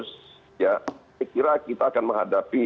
saya kira kita akan menghadapi